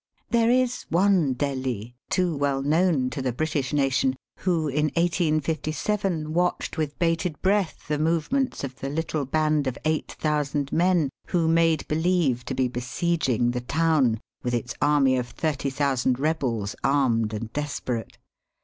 There is one Delhi, too well known to the British nation, who in 1867 watched with bated breath the movements of the little band of 8000 men who made believe to be besieging the town with its army of 30,000 rebels armed and desperate.